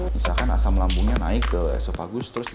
misalkan asam lambungnya naik ke esofagus terus dia